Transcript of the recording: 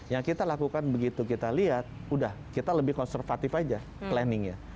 yang kita lakukan begitu kita lihat udah kita lebih konservatif aja planningnya